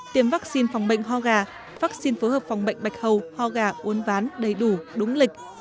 tiêm vaccine phòng bệnh ho gà vaccine phối hợp phòng bệnh bạch hầu ho gà uốn ván đầy đủ đúng lịch